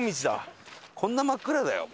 こんな真っ暗だよ